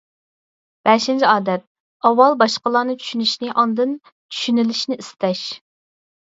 بەشىنچى ئادەت، ئاۋۋال باشقىلارنى چۈشىنىشنى، ئاندىن چۈشىنىلىشنى ئىستەش.